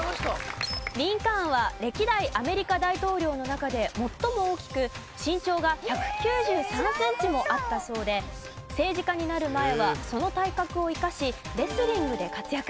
リンカーンは歴代アメリカ大統領の中で最も大きく身長が１９３センチもあったそうで政治家になる前はその体格を生かしレスリングで活躍。